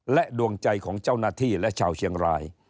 ดวงใจของเจ้าหน้าที่และชาวเชียงราย